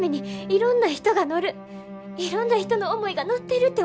いろんな人の思いが乗ってるて思うねん。